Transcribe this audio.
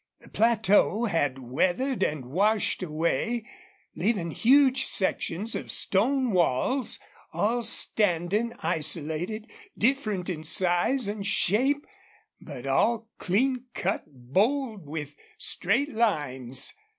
The plateau had weathered and washed away, leaving huge sections of stone walls, all standing isolated, different in size and shape, but all clean cut, bold, with straight lines.